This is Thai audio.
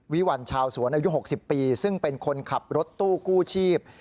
วันชาวสวนอายุ๖๐ปีซึ่งเป็นคนขับรถตู้กู้ชีพ